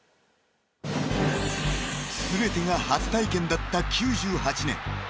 ［全てが初体験だった９８年］